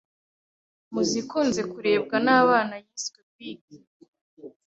mu zikunze kurebwa n’abana yiswe Big